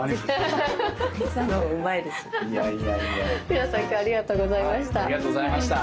皆さん今日はありがとうございました。